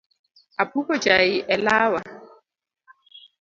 Apuko chai e lawa